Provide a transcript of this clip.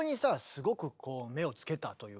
すごくこう目を付けたというか。